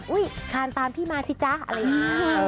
ทานตามพี่มาสิจ๊ะอะไรอย่างนี้